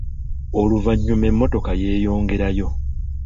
Oluvannyuma emmotoka yeeyongerayo.